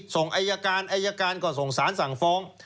ส่งอายการอายการก็ส่งสารสั่งฟ้อง